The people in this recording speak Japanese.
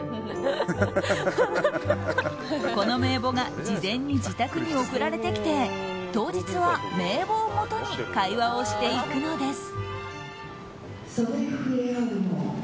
この名簿が事前に自宅に送られてきて当日は名簿をもとに会話をしていくのです。